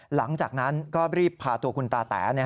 หลังจากนั้นก็รีบพาตัวคุณตาแต๋